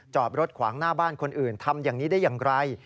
จอดรถขวางหน้าบ้านคนอื่นทำอย่างนี้ได้อย่างไร